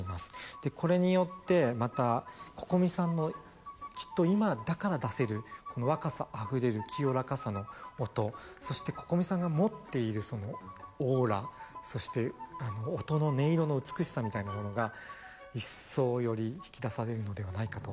でこれによってまたＣｏｃｏｍｉさんのきっと今だから出せるこの若さあふれる清らかさの音そしてＣｏｃｏｍｉさんが持っているそのオーラそして音の音色の美しさみたいなものが一層より引き出されるのではないかと。